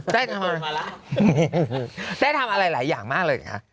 ได้ทำอะไรหลายอย่างมากเลยค่ะ